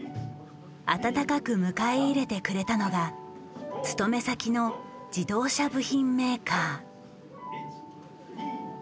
温かく迎え入れてくれたのが勤め先の自動車部品メーカー。